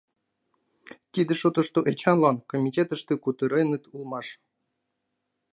Тиде шотышто Эчанлан комитетыште кутыреныт улмаш.